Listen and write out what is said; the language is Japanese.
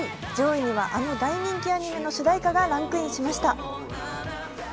上位にはあの大人気アニメの主題歌がランクインしました。